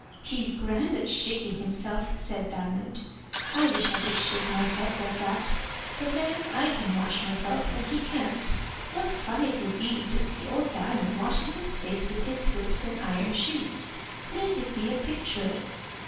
"He's grand at shaking himself," said Diamond. "I wish I could shake myself like that. But then I can wash myself, and he can't. What fun it would be to see Old Diamond washing his face with his hoofs and iron shoes! Wouldn't it be a picture?"